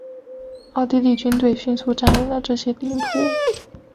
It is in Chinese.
奥地利军队迅速占领了这些领土。